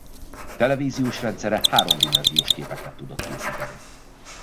Televíziós rendszere háromdimenziós képeket tudott készíteni.